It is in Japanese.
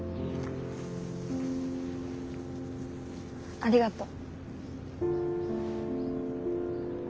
ありがとう。